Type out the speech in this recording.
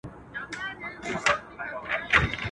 قصاب قصابي کول، يتيم ورځ ورته تېره کړه.